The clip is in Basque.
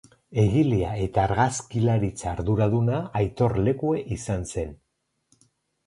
Egilea eta argazkilaritza arduraduna Aitor Lekue izan zen.